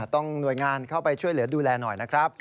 หน่วยงานเข้าไปช่วยเหลือดูแลหน่อยนะครับ